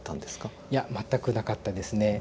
いや全くなかったですね。